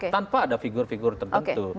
tanpa ada figure figure tertentu